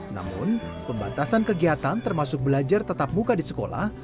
namun pembatasan kegiatan termasuk belajar tetap muka di sekolah